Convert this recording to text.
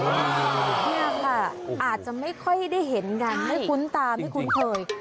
นี่ค่ะอาจจะไม่ค่อยได้เห็นกันไม่คุ้นตาไม่คุ้นเคย